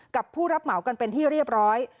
กับผู้รับเหมากันเป็นที่เรียบร้อย